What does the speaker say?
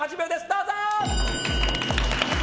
どうぞ。